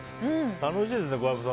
楽しいですね、小籔さん。